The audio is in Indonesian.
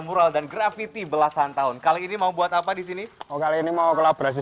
mural dan grafiti belasan tahun kali ini mau buat apa disini mau kali ini mau kolaborasi